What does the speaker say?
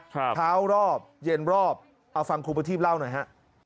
ครับคราวรอบเย็นรอบเอาฟังครูปฏีฟเล่าหน่อยฮะ